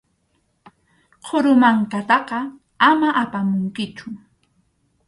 Qhuru mankataqa ama apamunkichu.